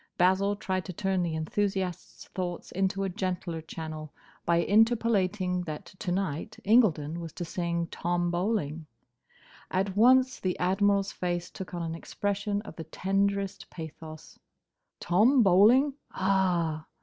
Basil tried to turn the enthusiast's thoughts into a gentler channel by interpolating that to night Incledon was to sing "Tom Bowling." At once the Admiral's face took on an expression of the tenderest pathos. "Tom Bowling?—Ah!"